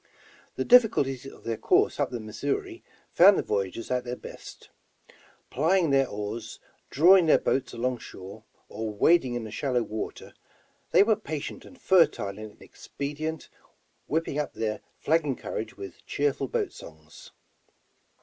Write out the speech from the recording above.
The difficulties of their course up the Missouri found the voyageurs at their best. Plying their oars, drawing their boats along shore, or wading in the shallow water, they were patient and fertile in expedient, whipping up their flagging courage with cheerful boat songs.